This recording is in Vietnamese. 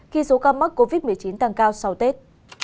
khi số ca mắc covid một mươi chín tăng cao sau tết